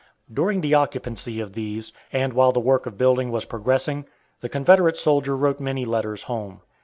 During the occupancy of these, and while the work of building was progressing, the Confederate soldier wrote many letters home.